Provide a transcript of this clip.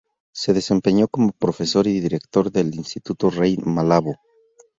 Se desempeñó como profesor y Director del Instituto Rey Malabo.